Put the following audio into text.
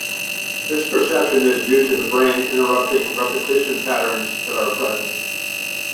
This perception is due to the brain interpreting repetition patterns that are present.